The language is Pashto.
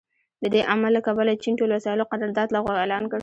د دې عمل له کبله چین ټول وسايلو قرارداد لغوه اعلان کړ.